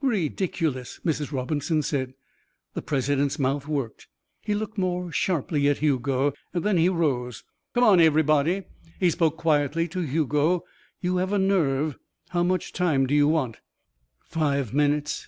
"Ridiculous!" Mrs. Robinson said. The president's mouth worked. He looked more sharply at Hugo. Then he rose. "Come on, everybody." He spoke quietly to Hugo. "You have a nerve. How much time do you want?" "Five minutes."